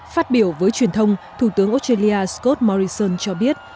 phát biểu với truyền thông thủ tướng australia scott morrison cho biết